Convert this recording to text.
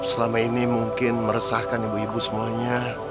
selama ini mungkin meresahkan ibu ibu semuanya